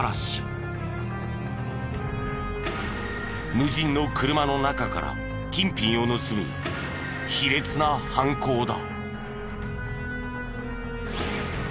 無人の車の中から金品を盗む卑劣な犯行だ。